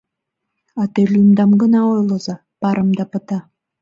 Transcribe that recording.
— А те лӱмдам гына ойлыза — парымда пыта.